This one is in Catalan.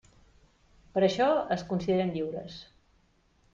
Per això es consideren lliures.